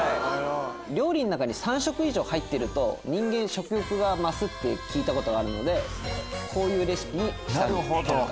料理の中に３色以上入ってると人間食欲が増すって聞いたのでこういうレシピにしたんです今回。